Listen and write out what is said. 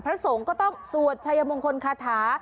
พระสงฆ์ก็ต้องสวดชายมงคลคาถา